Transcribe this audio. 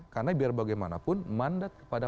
karena biar bagaimanapun mandat kepada